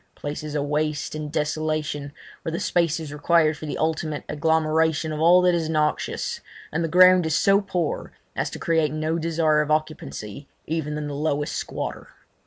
Places of waste and desolation, where the space is required for the ultimate agglomeration of all that is noxious, and the ground is so poor as to create no desire of occupancy even in the lowest squatter.